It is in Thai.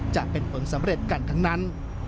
จะเป็นผลสำเร็จกันทั้งนั้น